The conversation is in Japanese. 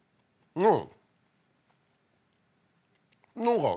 うん。